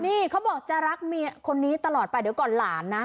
นี่เขาบอกจะรักเมียคนนี้ตลอดไปเดี๋ยวก่อนหลานนะ